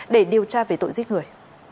để điều tra về tội giết người